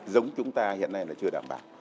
giống chúng ta hiện nay là chưa đảm bảo